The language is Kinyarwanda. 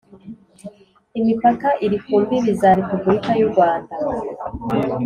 Imipaka iri ku mbibi za Repubulika y urwanda